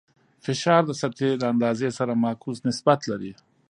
فشار د سطحې د اندازې سره معکوس نسبت لري.